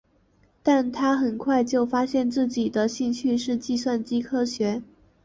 但他很快就发现自己的兴趣是计算机科学。